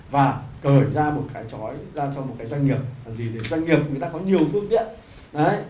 và cởi ra một cái trói ra cho một cái doanh nghiệp làm gì để doanh nghiệp người ta có nhiều phương tiện